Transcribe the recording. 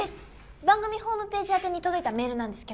番組ホームページ宛てに届いたメールなんですけど。